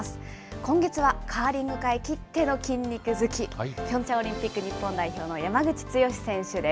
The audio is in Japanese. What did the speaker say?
今月はカーリング界きっての筋肉好き、ピョンチャンオリンピック日本代表の山口剛史選手です。